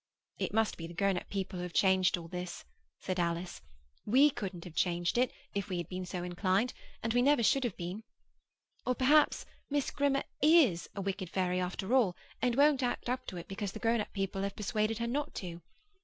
'It must be the grown up people who have changed all this,' said Alice. 'We couldn't have changed it, if we had been so inclined, and we never should have been. Or perhaps Miss Grimmer is a wicked fairy after all, and won't act up to it because the grown up people have persuaded her not to.